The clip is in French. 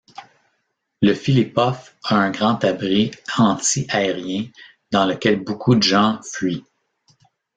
Le Philipphof a un grand abri anti-aérien dans lequel beaucoup de gens fuient.